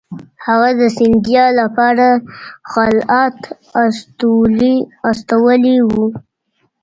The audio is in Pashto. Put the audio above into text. هغه د سیندیا لپاره خلعت استولی وو.